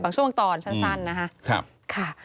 ช่วงตอนสั้นนะคะ